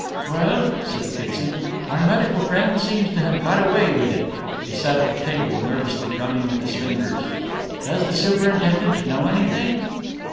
"Well?" said Kitson, "our medical friend seems to have got away with it." He sat at the table, nervously drumming with his fingers. "Does the superintendent know everything?"